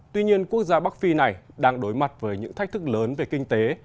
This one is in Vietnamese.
tuy nhiên quốc gia bắc phi này đang đối mặt với những thách thức lớn về kinh tế